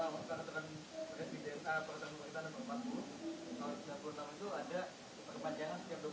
masalah yang saya ingin menjawabkan oleh pak rina adalah terkait dengan penyelenggaraan tanpa lahan